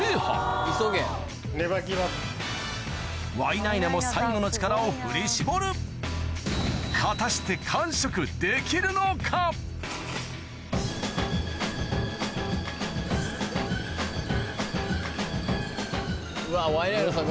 ワイナイナも最後の力を振り絞る果たしてうわワイナイナさん